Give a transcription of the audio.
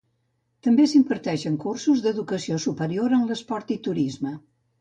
També s'hi imparteixen cursos d'educació superior en esport i turisme.